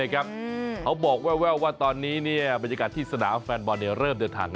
เขาบอกแววว่าตอนนี้บรรยากาศที่สนามแฟนบอลเริ่มเดินทาง